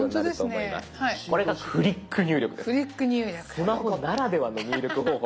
スマホならではの入力方法。